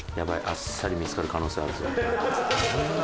あっさり見つかる可能性あるぞ。